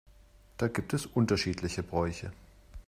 Da gibt es unterschiedliche Bräuche.